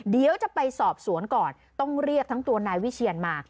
เดี๋ยวจะไปสอบสวนก่อนต้องเรียกทั้งตัวนายวิเชียนมา